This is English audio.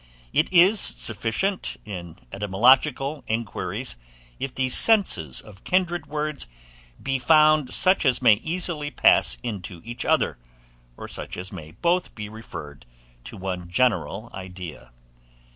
It is sufficient, in etymological enquiries, if the senses of kindred words be found such as may easily pass into each other, or such as may both be referred to one general idea.